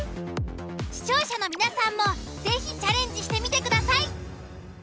視聴者の皆さんも是非チャレンジしてみてください。